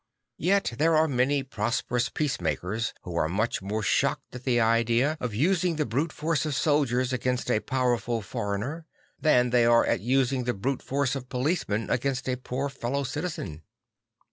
Yet there are many prosperous peacemakers who are much more shocked at the idea of using the brute force of soldiers against a powerful foreigner than they are at using the brute force of police men against a poor fellow citizen.